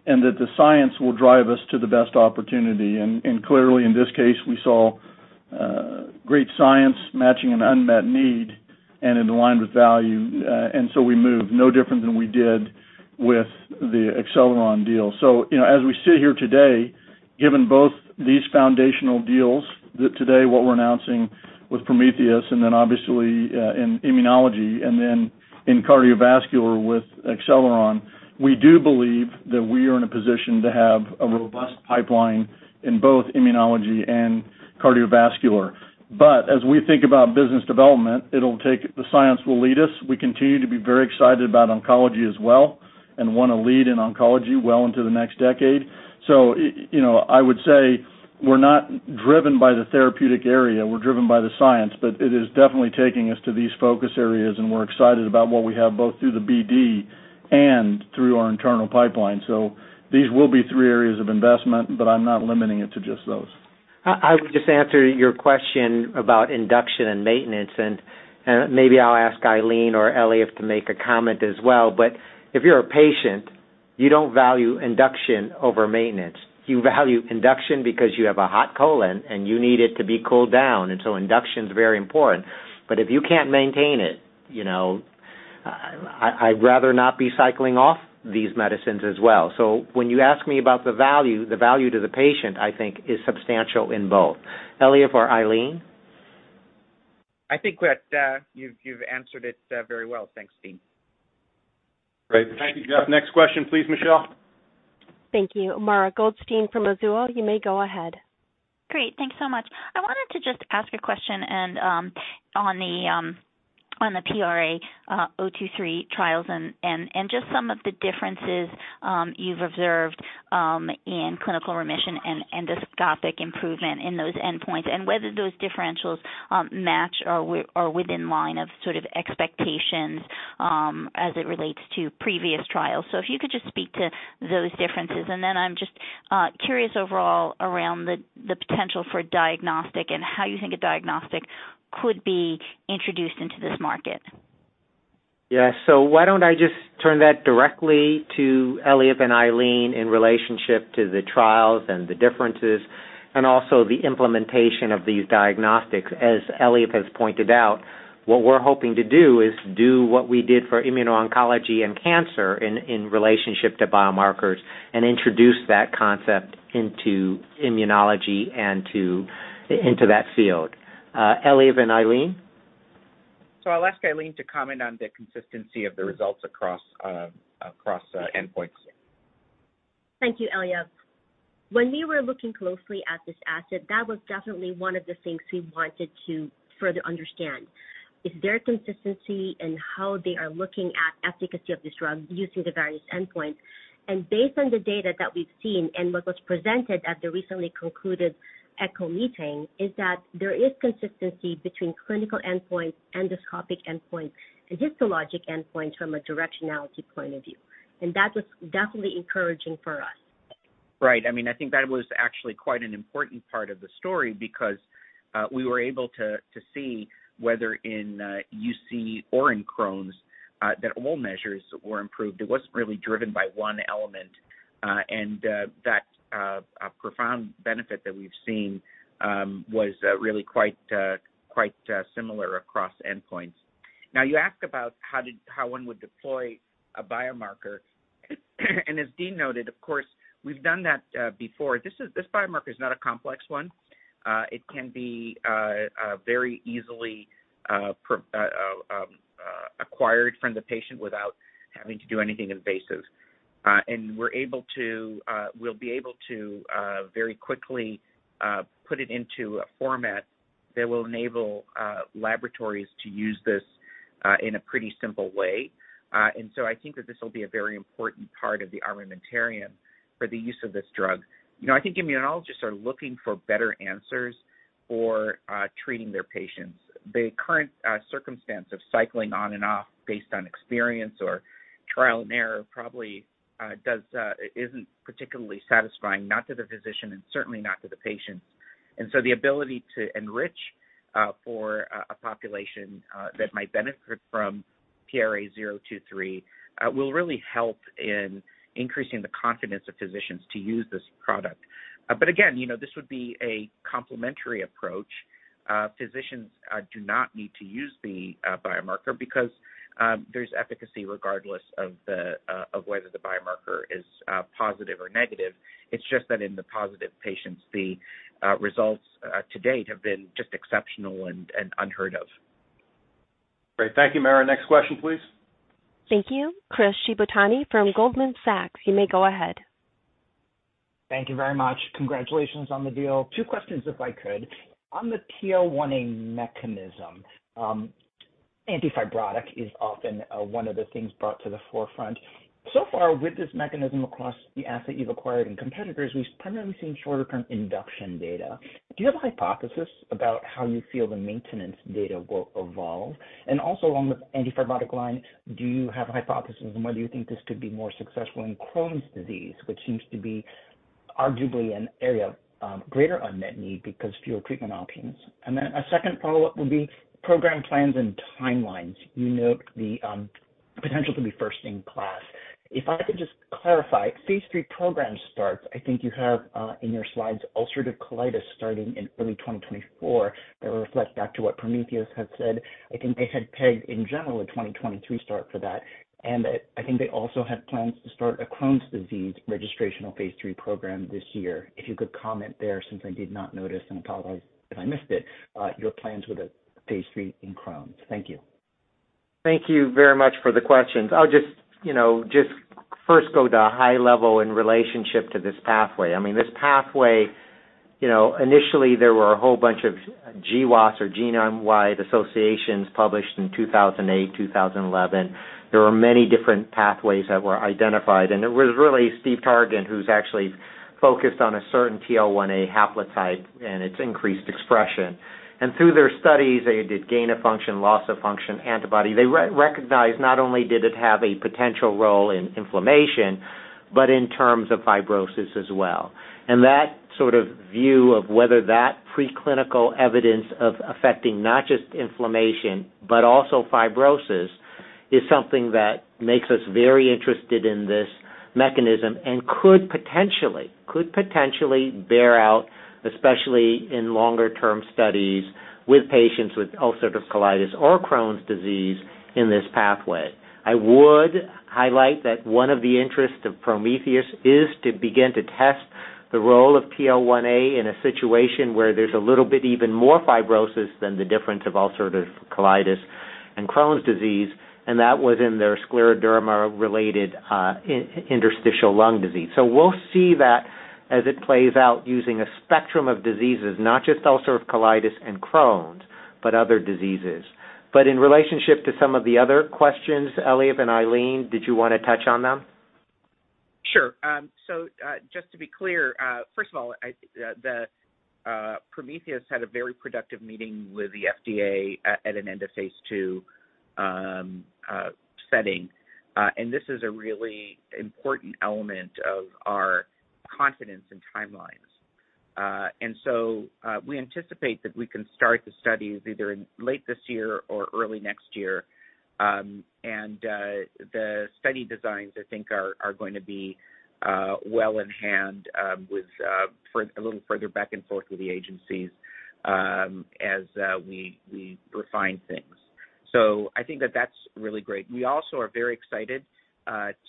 and that the science will drive us to the best opportunity. Clearly, in this case, we saw great science matching an unmet need and it aligned with value. We moved. No different than we did with the Acceleron deal. You know, as we sit here today, given both these foundational deals that today what we're announcing with Prometheus and then obviously, in immunology and then in cardiovascular with Acceleron, we do believe that we are in a position to have a robust pipeline in both immunology and cardiovascular. As we think about business development, the science will lead us. We continue to be very excited about oncology as well and wanna lead in oncology well into the next decade. You know, I would say we're not driven by the therapeutic area, we're driven by the science, but it is definitely taking us to these focus areas, and we're excited about what we have both through the BD and through our internal pipeline. These will be three areas of investment, but I'm not limiting it to just those. I would just answer your question about induction and maintenance. Maybe I'll ask Aileen or Eliav to make a comment as well, but if you're a patient, you don't value induction over maintenance. You value induction because you have a hot colon and you need it to be cooled down, and so induction is very important. If you can't maintain it, you know, I'd rather not be cycling off these medicines as well. When you ask me about the value, the value to the patient, I think is substantial in both. Eliav or Aileen? I think that, you've answered it, very well. Thanks, Dean. Great. Thank you. Next question, please, Michelle. Thank you. Mara Goldstein from Mizuho, you may go ahead. Great. Thanks so much. I wanted to just ask a question and on the PRA023 trials and just some of the differences you've observed in clinical remission and endoscopic improvement in those endpoints, and whether those differentials match or within line of sort of expectations as it relates to previous trials. If you could just speak to those differences. I'm just curious overall around the potential for diagnostic and how you think a diagnostic could be introduced into this market. Yeah. Why don't I just turn that directly to Eliav and Aileen in relationship to the trials and the differences, and also the implementation of these diagnostics. As Eliav has pointed out, what we're hoping to do is do what we did for immuno-oncology and cancer in relationship to biomarkers and introduce that concept into immunology and into that field. Eliav and Aileen? I'll ask Aileen to comment on the consistency of the results across endpoints. Thank you, Eliav. When we were looking closely at this asset, that was definitely one of the things we wanted to further understand, is there consistency in how they are looking at efficacy of this drug using the various endpoints? Based on the data that we've seen and what was presented at the recently concluded ECCO meeting, is that there is consistency between clinical endpoint, endoscopic endpoint, histologic endpoint from a directionality point of view. That was definitely encouraging for us. Right. I mean, I think that was actually quite an important part of the story because we were able to see whether in UC or in Crohn's, that all measures were improved. It wasn't really driven by one element. That profound benefit that we've seen was really quite similar across endpoints. You asked about how one would deploy a biomarker. As Dean noted, of course, we've done that before. This biomarker is not a complex one. It can be very easily acquired from the patient without having to do anything invasive. We're able to, we'll be able to very quickly put it into a format that will enable laboratories to use this in a pretty simple way. I think that this will be a very important part of the armamentarium for the use of this drug. You know, I think immunologists are looking for better answers for treating their patients. The current circumstance of cycling on and off based on experience or trial and error probably isn't particularly satisfying, not to the physician and certainly not to the patients. The ability to enrich for a population that might benefit from PRA023 will really help in increasing the confidence of physicians to use this product. Again, you know, this would be a complementary approach. Physicians do not need to use the biomarker because there's efficacy regardless of whether the biomarker is positive or negative. It's just that in the positive patients, the results to date have been just exceptional and unheard of. Great. Thank you, Mara. Next question, please. Thank you. Chris Shibutani from Goldman Sachs. You may go ahead. Thank you very much. Congratulations on the deal. Two questions, if I could. On the TL1A mechanism, antifibrotic is often one of the things brought to the forefront. So far with this mechanism across the asset you've acquired in competitors, we've primarily seen shorter term induction data. Do you have a hypothesis about how you feel the maintenance data will evolve? Also along the antifibrotic line, do you have a hypothesis on whether you think this could be more successful in Crohn's disease, which seems to be arguably an area of greater unmet need because fewer treatment options? A second follow-up would be program plans and timelines. You note the potential to be first in class. If I could just clarify, phase III program starts, I think you have in your slides, ulcerative colitis starting in early 2024. That reflects back to what Prometheus had said. I think they had pegged in general a 2023 start for that. I think they also had plans to start a Crohn's disease registrational phase III program this year. If you could comment there, since I did not notice, and apologize if I missed it, your plans with a phase III in Crohn's? Thank you. Thank you very much for the questions. I'll just, you know, first go to high level in relationship to this pathway. I mean, this pathway, you know, initially there were a whole bunch of GWAS or genome-wide associations published in 2008, 2011. There were many different pathways that were identified. It was really Steve Targan, who's actually focused on a certain TL1A haplotype and its increased expression. Through their studies, they did gain of function, loss of function antibody. They re-recognized not only did it have a potential role in inflammation, but in terms of fibrosis as well. That sort of view of whether that preclinical evidence of affecting not just inflammation but also fibrosis is something that makes us very interested in this Mechanism could potentially, could potentially bear out, especially in longer term studies with patients with ulcerative colitis or Crohn's disease in this pathway. I would highlight that one of the interests of Prometheus is to begin to test the role of TL1A in a situation where there's a little bit even more fibrosis than the difference of ulcerative colitis and Crohn's disease, and that was in their scleroderma related interstitial lung disease. We'll see that as it plays out using a spectrum of diseases, not just ulcerative colitis and Crohn's, but other diseases. In relationship to some of the other questions, Eliav and Aileen, did you wanna touch on them? Sure. Just to be clear, first of all, the Prometheus had a very productive meeting with the FDA at an end of phase II setting. This is a really important element of our confidence and timelines. We anticipate that we can start the studies either in late this year or early next year. The study designs, I think are going to be well in hand with a little further back and forth with the agencies as we refine things. I think that that's really great. We also are very excited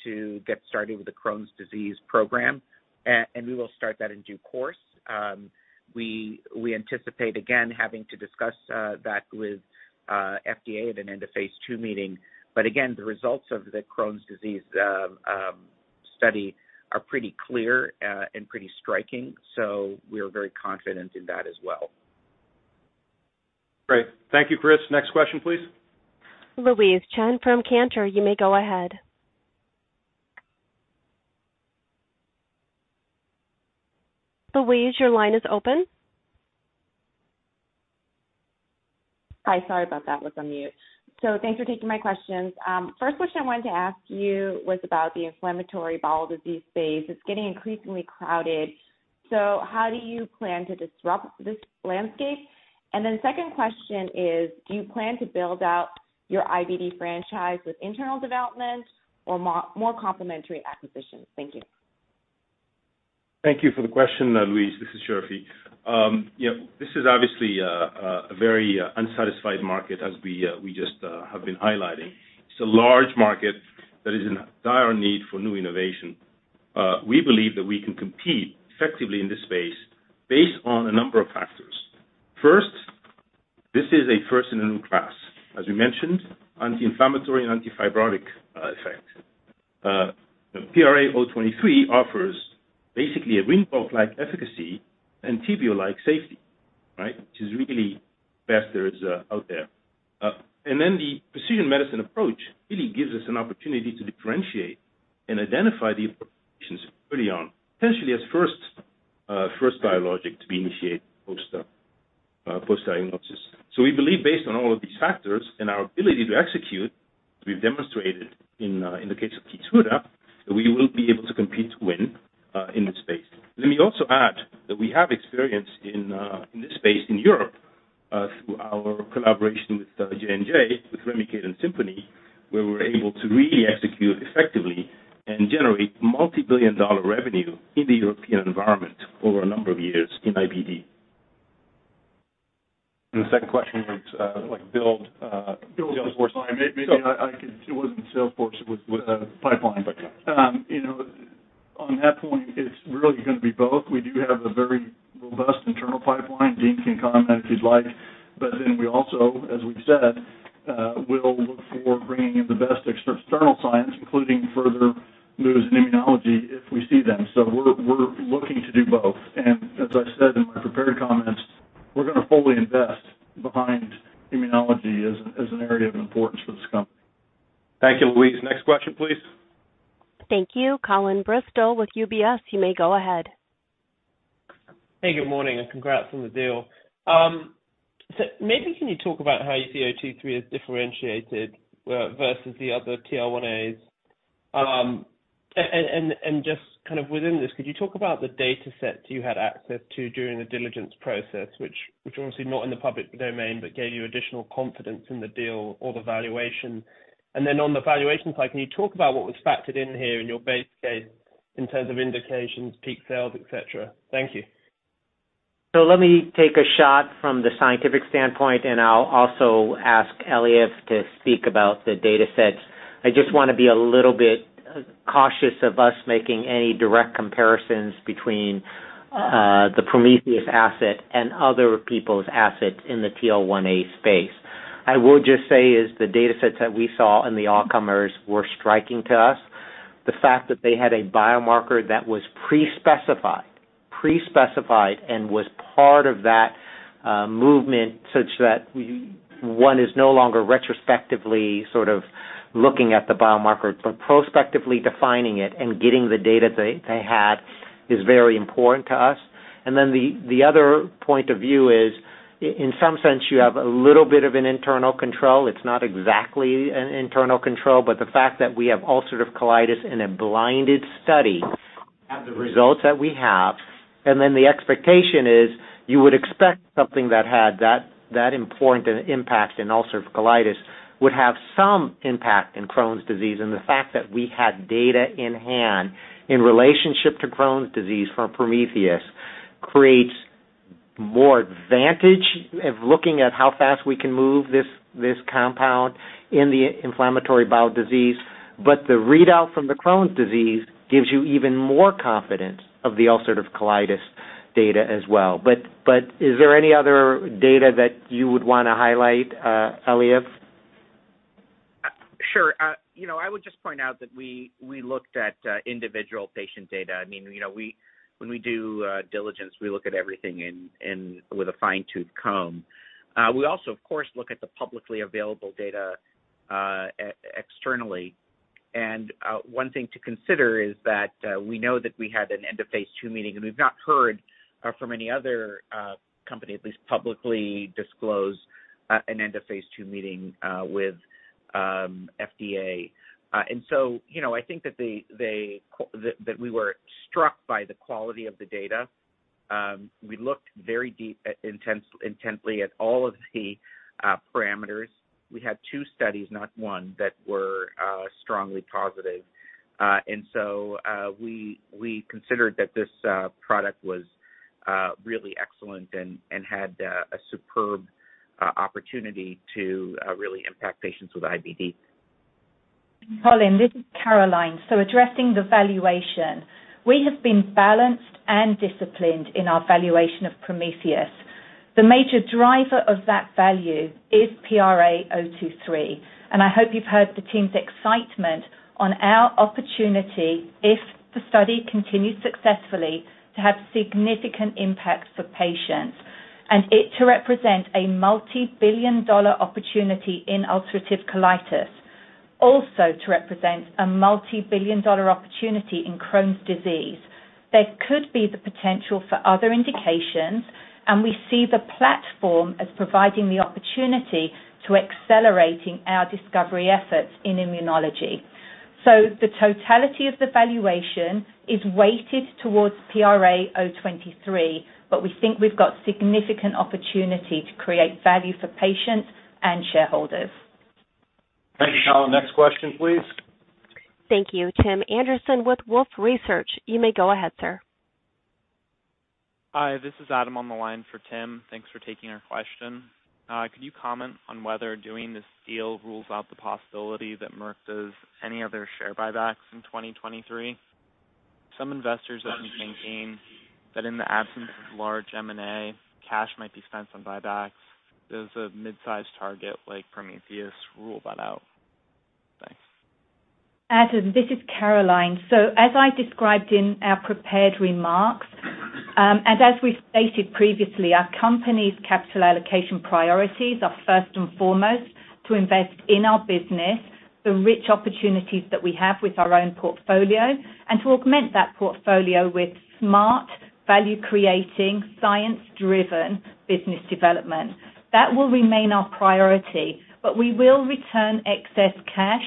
to get started with the Crohn's disease program. We will start that in due course. We anticipate, again, having to discuss that with FDA at an end of phase II meeting. Again, the results of the Crohn's disease study are pretty clear and pretty striking. We are very confident in that as well. Great. Thank you, Chris. Next question, please. Louise Chen from Cantor, you may go ahead. Louise, your line is open. Hi, sorry about that, was on mute. Thanks for taking my questions. First question I wanted to ask you was about the inflammatory bowel disease space. It's getting increasingly crowded. Second question is, do you plan to build out your IBD franchise with internal development or more complementary acquisitions? Thank you. Thank you for the question, Louise. This is Chirfi. You know, this is obviously a very unsatisfied market as we just have been highlighting. It's a large market that is in dire need for new innovation. We believe that we can compete effectively in this space based on a number of factors. First, this is a first in a new class, as we mentioned, anti-inflammatory and anti-fibrotic effect. PRA023 offers basically a RINVOQ-like efficacy and ENTYVIO-like safety, right? Which is really best there is out there. The precision medicine approach really gives us an opportunity to differentiate and identify the applications early on, potentially as first biologic to be initiated post-diagnosis. We believe based on all of these factors and our ability to execute, we've demonstrated in the case of KEYTRUDA, that we will be able to compete to win in this space. Let me also add that we have experience in this space in Europe, through our collaboration with J&J, with REMICADE and SIMPONI, where we're able to really execute effectively and generate multi-billion-dollar revenue in the European environment over a number of years in IBD. The second question was, like, build Salesforce. Build the pipeline. Maybe I can. It wasn't Salesforce, it was pipeline. Okay. You know, on that point, it's really gonna be both. We do have a very robust internal pipeline. Dean can comment if he'd like. We also, as we've said, will look for bringing in the best external science, including further moves in immunology if we see them. We're looking to do both. As I said in my prepared comments, we're gonna fully invest behind immunology as an area of importance for this company. Thank you, Louise. Next question, please. Thank you. Colin Bristow with UBS, you may go ahead. Good morning, and congrats on the deal. Maybe can you talk about how you see PRA023 as differentiated versus the other TL1As? Just kind of within this, could you talk about the datasets you had access to during the diligence process, which are obviously not in the public domain, but gave you additional confidence in the deal or the valuation? On the valuation side, can you talk about what was factored in here in your base case in terms of indications, peak sales, et cetera? Thank you. Let me take a shot from the scientific standpoint, and I'll also ask Eliav to speak about the datasets. I just wanna be a little bit cautious of us making any direct comparisons between the Prometheus asset and other people's assets in the TL1A space. I would just say is the datasets that we saw in the all comers were striking to us. The fact that they had a biomarker that was pre-specified and was part of that movement such that one is no longer retrospectively sort of looking at the biomarker, but prospectively defining it and getting the data they had is very important to us. The other point of view is, in some sense, you have a little bit of an internal control. It's not exactly an internal control, but the fact that we have ulcerative colitis in a blinded study... The results that we have, and then the expectation is you would expect something that had that important an impact in ulcerative colitis would have some impact in Crohn's disease. The fact that we had data in hand in relationship to Crohn's disease from Prometheus creates more advantage of looking at how fast we can move this compound in the inflammatory bowel disease. The readout from the Crohn's disease gives you even more confidence of the ulcerative colitis data as well. Is there any other data that you would wanna highlight, Eliav? Sure. You know, I would just point out that we looked at individual patient data. I mean, you know, when we do diligence, we look at everything with a fine-tooth comb. We also, of course, look at the publicly available data externally. One thing to consider is that we know that we had an end of phase II meeting, and we've not heard from any other company, at least publicly disclose, an end of phase II meeting with FDA. You know, I think that we were struck by the quality of the data. We looked very deep, intensely at all of the parameters. We had two studies, not one, that were strongly positive. We considered that this product was really excellent and had a superb opportunity to really impact patients with IBD. Colin, this is Caroline. Addressing the valuation, we have been balanced and disciplined in our valuation of Prometheus. The major driver of that value is PRA023, and I hope you've heard the team's excitement on our opportunity if the study continues successfully to have significant impact for patients, and it to represent a multi-billion dollar opportunity in ulcerative colitis. To represent a multi-billion dollar opportunity in Crohn's disease. There could be the potential for other indications, and we see the platform as providing the opportunity to accelerating our discovery efforts in immunology. The totality of the valuation is weighted towards PRA023, but we think we've got significant opportunity to create value for patients and shareholders. Thank you. Next question, please. Thank you. Tim Anderson with Wolfe Research. You may go ahead, sir. Hi. This is Adam on the line for Tim. Thanks for taking our question. Could you comment on whether doing this deal rules out the possibility that Merck does any other share buybacks in 2023? Some investors have been thinking that in the absence of large M&A, cash might be spent on buybacks. Does a midsize target like Prometheus rule that out? Thanks. Adam, this is Caroline. As I described in our prepared remarks, and as we stated previously, our company's capital allocation priorities are first and foremost to invest in our business the rich opportunities that we have with our own portfolio, and to augment that portfolio with smart, value-creating, science-driven business development. That will remain our priority, but we will return excess cash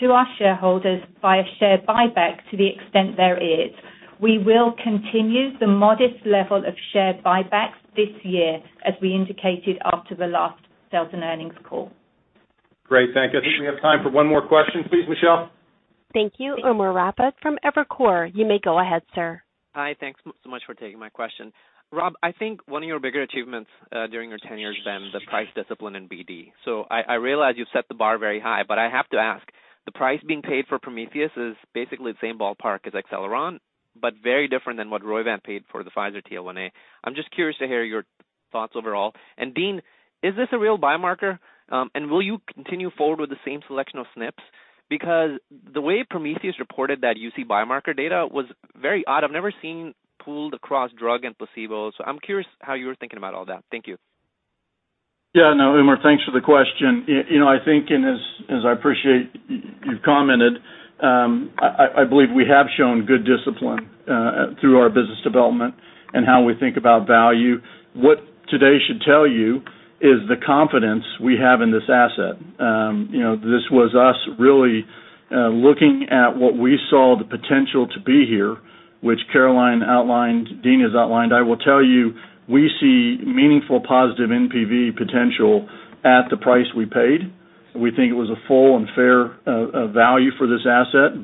to our shareholders via share buybacks to the extent there is. We will continue the modest level of share buybacks this year, as we indicated after the last sales and earnings call. Great. Thank you. I think we have time for one more question, please, Michelle. Thank you. Umer Raffat from Evercore. You may go ahead, sir. Hi. Thanks so much for taking my question. Rob, I think one of your bigger achievements during your tenure has been the price discipline in BD. I realize you've set the bar very high, but I have to ask, the price being paid for Prometheus is basically the same ballpark as Acceleron, but very different than what Roivant paid for the Pfizer TL1A. I'm just curious to hear your thoughts overall. Dean, is this a real biomarker? And will you continue forward with the same selection of SNPs? Because the way Prometheus reported that UC biomarker data was very odd. I've never seen pooled across drug and placebo, so I'm curious how you were thinking about all that. Thank you. Yeah. No, Umer, thanks for the question. you know, I think and as I appreciate you've commented, I believe we have shown good discipline through our business development and how we think about value. What today should tell you is the confidence we have in this asset. you know, this was us really looking at what we saw the potential to be here, which Caroline outlined, Dean has outlined. I will tell you, we see meaningful positive NPV potential at the price we paid. We think it was a full and fair value for this asset.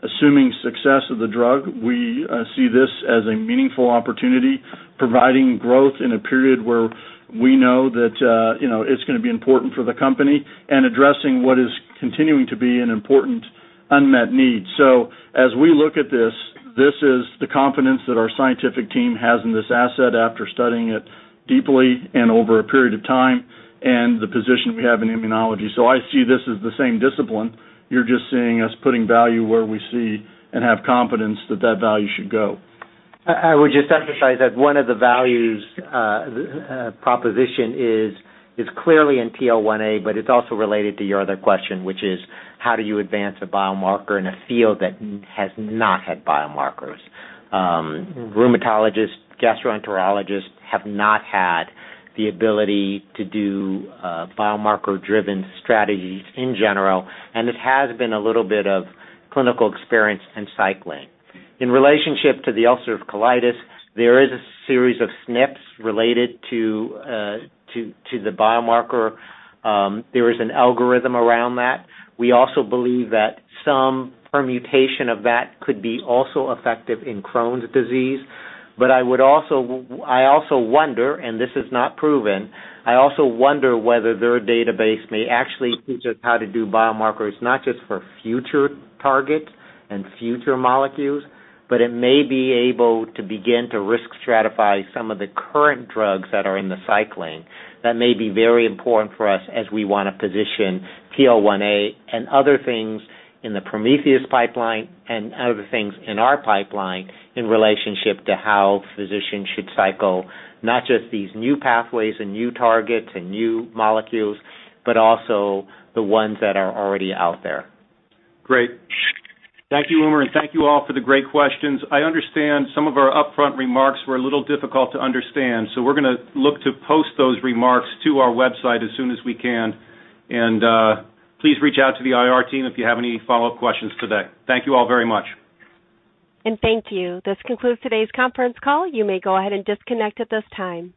Assuming success of the drug, we see this as a meaningful opportunity, providing growth in a period where we know that, you know, it's gonna be important for the company and addressing what is continuing to be an important unmet need. As we look at this is the confidence that our scientific team has in this asset after studying it deeply and over a period of time and the position we have in immunology. I see this as the same discipline. You're just seeing us putting value where we see and have confidence that that value should go. I would just emphasize that one of the values proposition is clearly in TL1A, but it's also related to your other question, which is: How do you advance a biomarker in a field that has not had biomarkers? Rheumatologists, gastroenterologists have not had the ability to do biomarker-driven strategies in general, and it has been a little bit of clinical experience and cycling. In relationship to the ulcerative colitis, there is a series of SNPs related to the biomarker. There is an algorithm around that. We also believe that some permutation of that could be also effective in Crohn's disease. I also wonder, and this is not proven, I also wonder whether their database may actually teach us how to do biomarkers not just for future targets and future molecules, but it may be able to begin to risk stratify some of the current drugs that are in the cycling that may be very important for us as we wanna position TL1A and other things in the Prometheus pipeline and other things in our pipeline in relationship to how physicians should cycle not just these new pathways and new targets and new molecules, but also the ones that are already out there. Great. Thank you, Umer, and thank you all for the great questions. I understand some of our upfront remarks were a little difficult to understand, so we're gonna look to post those remarks to our website as soon as we can. Please reach out to the IR team if you have any follow-up questions today. Thank you all very much. Thank you. This concludes today's conference call. You may go ahead and disconnect at this time.